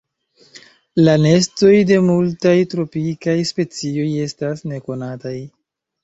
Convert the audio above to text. La nestoj de multaj tropikaj specioj estas nekonataj.